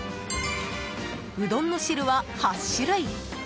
うどんの汁は８種類。